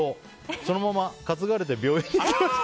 そのまま担がれて病院に行きました。